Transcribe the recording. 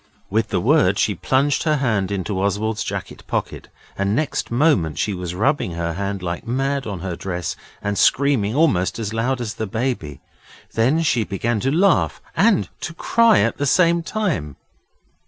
With the word she plunged her hand into Oswald's jacket pocket, and next moment she was rubbing her hand like mad on her dress, and screaming almost as loud as the Baby. Then she began to laugh and to cry at the same time.